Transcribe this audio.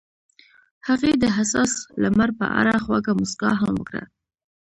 هغې د حساس لمر په اړه خوږه موسکا هم وکړه.